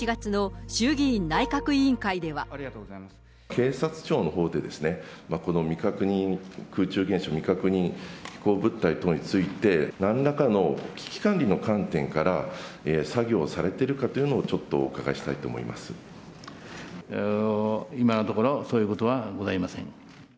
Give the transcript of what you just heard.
警察庁のほうでですね、この未確認空中現象、未確認飛行物体等について、なんらかの危機管理の観点から作業されてるかというのをちょっと今のところ、そういうことはございません。